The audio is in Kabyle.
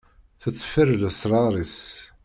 Tetteffer lesrar-is.